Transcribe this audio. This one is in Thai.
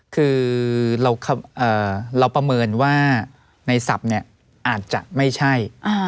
คือเราประเมินว่าในศัพท์เนี่ยอาจจะไม่ใช่